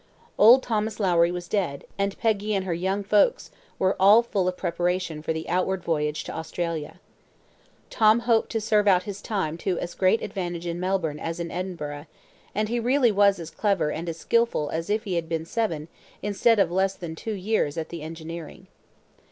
Old Thomas Lowrie was dead, and Peggy and her young folks were all full of preparations for the outward voyage to Australia. Tom hoped to serve out his time to as great advantage in Melbourne as in Edinburgh; and he really was as clever and as skilful as if he had been seven instead of less than two years at the engineering.